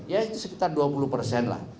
ya itu sekitar dua puluh persen lah